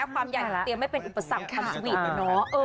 ความใหญ่เตรียมให้เป็นอุปสรรค์ความสวิตช์